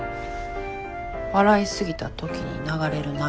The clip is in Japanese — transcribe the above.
笑い過ぎた時に流れる涙